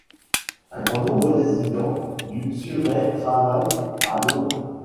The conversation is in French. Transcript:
Un grand nombre de résidents du Surrey travaillent à Londres.